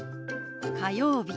「火曜日」。